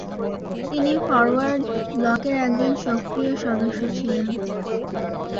তিনি ফরোয়ার্ড ব্লকের একজন সক্রিয় সদস্য ছিলেন।